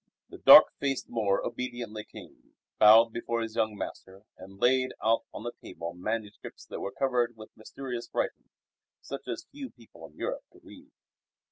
The dark faced Moor obediently came, bowed before his young master, and laid out on the table manuscripts that were covered with mysterious writing such as few people in Europe could read.